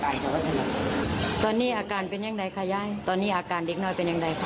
ตอนนี้อาการเป็นอย่างไรคะยายตอนนี้อาการเด็กน้อยเป็นอย่างไรคะ